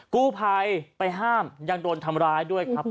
กู้ภัยไปห้ามยังโดนทำร้ายด้วยครับ